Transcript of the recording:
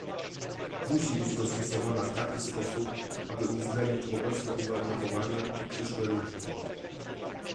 Musi być dostosowana w taki sposób, aby uwzględnić obecne uwarunkowania i przyszłe rynki